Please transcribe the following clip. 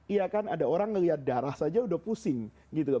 iya kan ada orang melihat darah saja sudah pusing gitu